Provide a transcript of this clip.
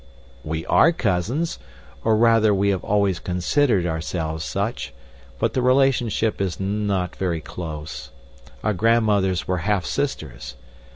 "We ARE cousins, or rather we have always considered ourselves such, but the relationship is not very close. Our grandmothers were half sisters.